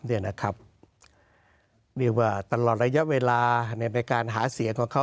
เรียกว่าตลอดระยะเวลาในการหาเสียงของเขา